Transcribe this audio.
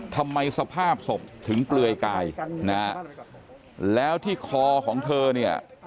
สภาพศพถึงเปลือยกายนะฮะแล้วที่คอของเธอเนี่ย